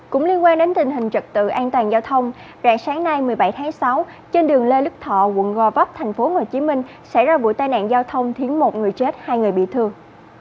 cũng liên quan đến tình hình trật tự an toàn giao thông rạng sáng nay một mươi bảy tháng sáu trên đường lê lức thọ quận gò vấp thành phố hồ chí minh xảy ra vụ tai nạn giao thông thiến một người chết hai người bị thương